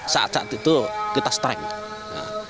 saat saat itu kita strength